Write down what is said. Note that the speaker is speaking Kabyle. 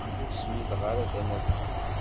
Ur smideɣ ara tanafa.